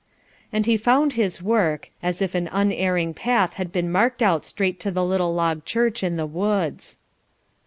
And he found his work, as if an unerring path had been marked out straight to the little log church in the woods.